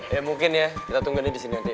ya mungkin ya kita tunggu nih disini nanti